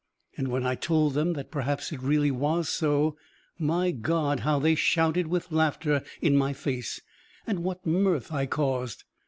And when I told them that perhaps it really was so, my God, how they shouted with laughter in my face, and what mirth I caused!